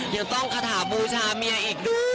ยังต้องขธาบูชาเมียอีกดู